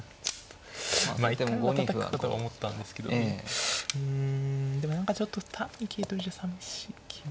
一回はたたくかと思ったんですけどうんでも何かちょっと単に桂取りじゃさみしい気が。